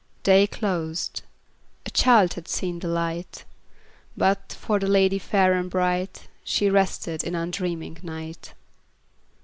Day closed; a child had seen the light; But, for the lady fair and bright, She rested in undreaming night.